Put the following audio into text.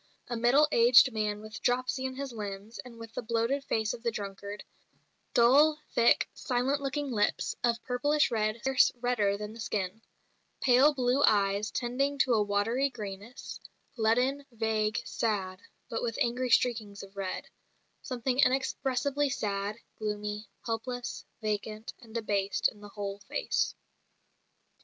A middle aged man with dropsy in his limbs, and with the bloated face of the drunkard; "dull, thick, silent looking lips, of purplish red scarce redder than the skin; pale blue eyes tending to a watery greyness, leaden, vague, sad, but with angry streakings of red; something inexpressibly sad, gloomy, helpless, vacant, and debased in the whole face."